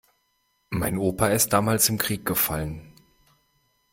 Mein Opa ist damals im Krieg gefallen.